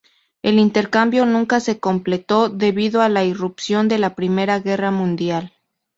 El intercambio nunca se completó debido a la irrupción de la Primera Guerra Mundial.